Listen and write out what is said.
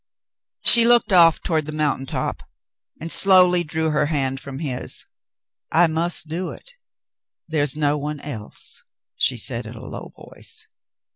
She looked off toward the mountain top and slowly drew her hand from his. "I must do it. There is no one else," she said in a low voice.